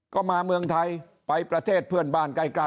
ก็มาเมืองไทยไปประเทศเพื่อนบ้านใกล้